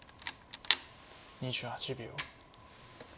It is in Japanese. ２８秒。